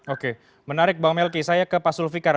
oke menarik bang melky saya ke pak sulvikar